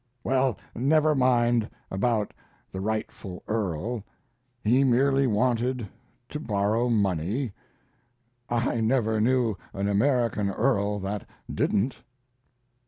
Well, never mind about the rightful earl; he merely wanted to borrow money. I never knew an American earl that didn't.